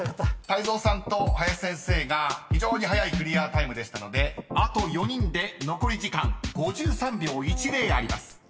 ［泰造さんと林先生が非常に早いクリアタイムでしたのであと４人で残り時間５３秒１０あります］